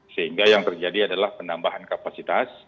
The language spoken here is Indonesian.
sehingga yang terjadi adalah penambahan kapasitas